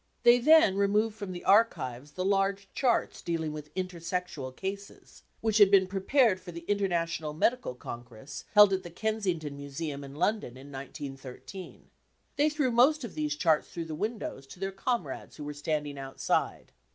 They then removed from the archives the large charts dealing with intersexual cases, which had been prepared for the THE CAMPAIGN AGAINST CULTURE l6j International Medical Congress held at the Kensington Museum in London in 1913. They threw most of these charts through the windows to their comrades who were standing outside.